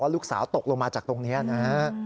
ว่าลูกสาวตกลงมาจากตรงนี้นั่นนะ